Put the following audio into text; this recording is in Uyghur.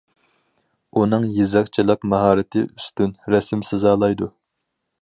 ئۇنىڭ يېزىقچىلىق ماھارىتى ئۈستۈن، رەسىم سىزالايدۇ.